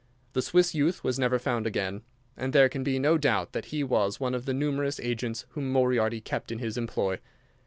The Swiss youth was never found again, and there can be no doubt that he was one of the numerous agents whom Moriarty kept in his employ.